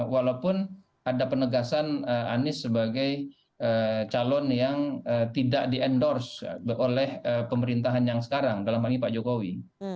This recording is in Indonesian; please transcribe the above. walaupun ada penegasan anies sebagai calon yang tidak di endorse oleh pemerintahan yang sekarang dalam hal ini pak jokowi